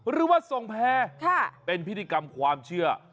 หรือว่าส่งแพร่เป็นพิธีกรรมความเชื่อ